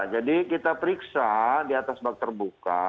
jadi kita periksa di atas bak terbuka